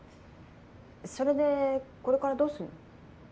それでこれからどうするの？